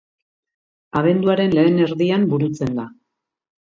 Abenduaren lehen erdian burutzen da.